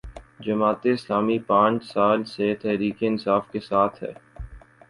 جماعت اسلامی پانچ سال سے تحریک انصاف کے ساتھ ہے۔